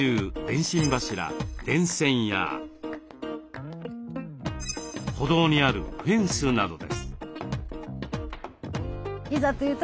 電信柱電線や歩道にあるフェンスなどです。